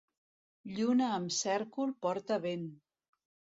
Lluna amb cèrcol porta vent.